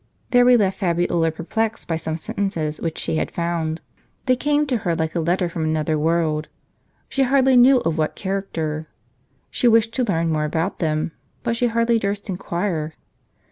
There we left Fabiola perplexed by some sentences which she had found. They came to her like a letter from another world ; she hardly knew of what character. She wished to learn more about them, but she hardly durst inquire.